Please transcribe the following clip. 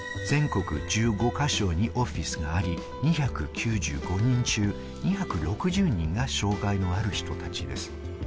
全国１５か所にオフィスがあり、２９５人中、２６０人が障害のある人たちです。